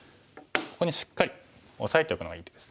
ここにしっかりオサえておくのがいい手です。